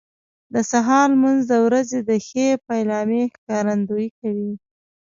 د سهار لمونځ د ورځې د ښې پیلامې ښکارندویي کوي.